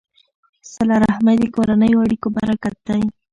صله رحمي د کورنیو اړیکو برکت دی.